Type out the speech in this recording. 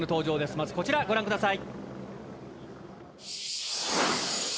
まずこちらご覧ください。